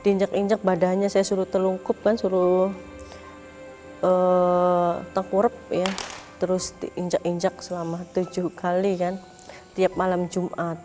di injak injak badannya saya suruh telungkup suruh takwurup terus di injak injak selama tujuh kali tiap malam jumat